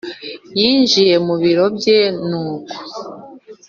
yinjiye mubiro bye nuko